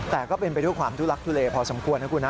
แต่ก็เป็นไปด้วยความทุลักทุเลพอสมควรนะคุณนะ